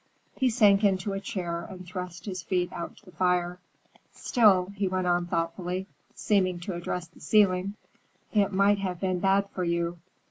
He sank into a chair and thrust his feet out to the fire. "Still," he went on thoughtfully, seeming to address the ceiling, "it might have been bad for you.